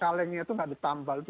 kalau kalengnya itu tidak ditambah